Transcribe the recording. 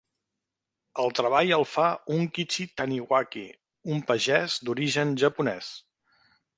El treball el fa Unkichi Taniwaki, un pagès d'origen japonès.